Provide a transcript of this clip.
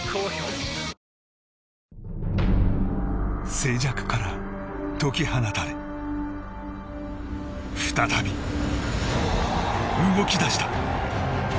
静寂から解き放たれ再び、動き出した。